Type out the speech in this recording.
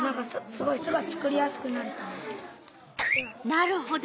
なるほど。